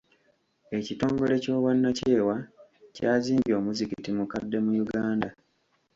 Ekitongole ky'obwannakyewa kyazimbye omuzikiti mukadde mu Uganda.